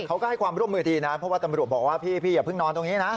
เขาก็ให้ความร่วมมือดีนะเพราะว่าตำรวจบอกว่าพี่อย่าเพิ่งนอนตรงนี้นะ